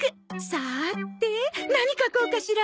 さて何描こうかしら。